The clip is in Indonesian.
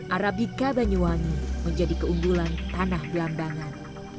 arabica banyuwangi menjadi keunggulan tanah belambangan